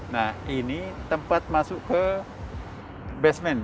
nah ini tempat masuk ke basement